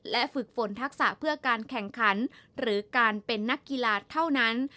และฝึกฝนทักษะเพื่อการแข่งขันหรือการเป็นนักกีฬาเท่านั้น